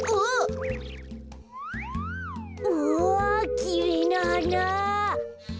うわきれいなはな。